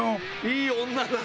いい女だ